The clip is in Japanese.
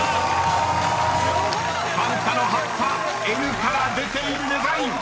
［ファンタの葉っぱ「Ｎ」から出ているデザイン］